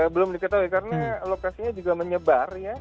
belum diketahui karena lokasinya juga menyebar ya